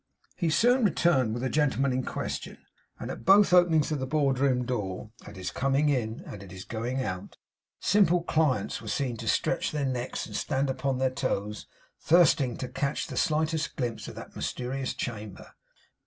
He soon returned with the gentleman in question; and at both openings of the board room door at his coming in and at his going out simple clients were seen to stretch their necks and stand upon their toes, thirsting to catch the slightest glimpse of that mysterious chamber.